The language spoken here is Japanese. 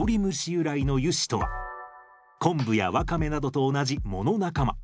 由来の油脂とはコンブやワカメなどと同じ藻の仲間